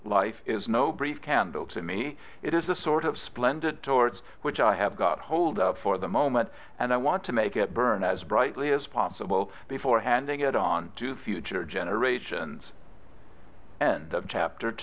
Life is no brief candle to me. It is a sort of splendid torc|j which I have got hold of for the moment, and rWant to make it bum as brightly as possible before handing it on to future generat